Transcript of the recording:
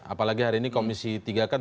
apalagi hari ini komisi tiga kan